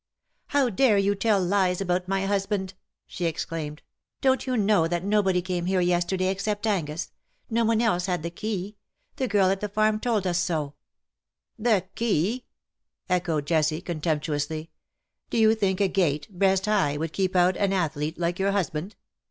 " How dare you tell lies about my husband V^ she exclaimed. " Don't you know that nobody came here yesterday except Angus; no one else had the key. The girl at the farm told us so/' " The key V echoed Jessie, contemptuously. " Do you think a gate, breast high, would keep out an athlete like your husband